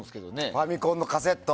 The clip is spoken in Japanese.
ファミコンのカセット。